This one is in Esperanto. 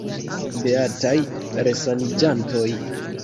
Beataj resaniĝantoj.